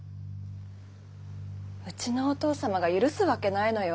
うちのお父様が許すわけないのよ。